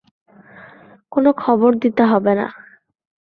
কোনো খবর দিতে হবে না।